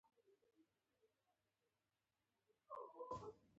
روسیې طالبانو ته د دوستۍ پېشنهاد وکړ.